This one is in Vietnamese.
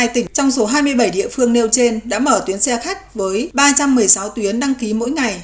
một mươi tỉnh trong số hai mươi bảy địa phương nêu trên đã mở tuyến xe khách với ba trăm một mươi sáu tuyến đăng ký mỗi ngày